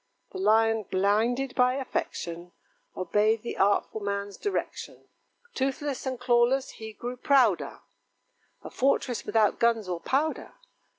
The Lion, blinded by affection, Obeyed the artful man's direction; Toothless and clawless, he grew prouder (A fortress without guns or powder).